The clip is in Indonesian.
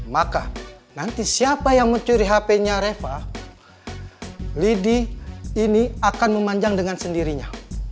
maka nanti siapa yang mencuri hp nya reva lidi ini akan memanjang dengan sendirinya